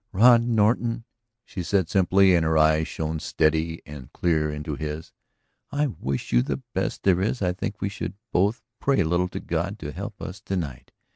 "Rod Norton," she said simply, and her eyes shone steady and clear into his, "I wish you the best there is. I think we should both pray a little to God to help us to night.